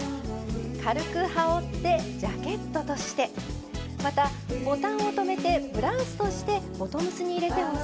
軽くはおってジャケットとしてまたボタンをとめてブラウスとしてボトムスに入れてもすてきです。